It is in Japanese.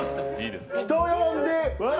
人呼んで笑